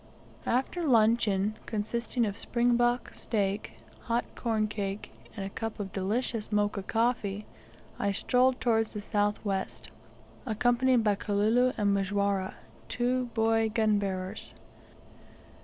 After luncheon, consisting of spring bok steak, hot corn cake, and a cup of delicious Mocha coffee, I strolled towards the south west, accompanied by Kalulu and Majwara, two boy gun bearers.